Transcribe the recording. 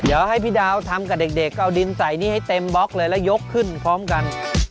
เดี๋ยวให้พี่ดาวทำกับเด็กเอาดินใส่นี่ให้เต็มบล็อกเลยแล้วยกขึ้นพร้อมกัน